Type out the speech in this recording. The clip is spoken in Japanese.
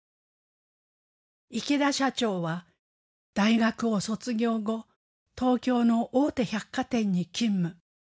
池田社長は大学を卒業後東京の大手百貨店に勤務。